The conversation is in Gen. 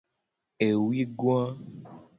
Ewuigoa.